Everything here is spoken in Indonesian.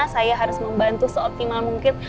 saya harus membantu seoptimal mungkin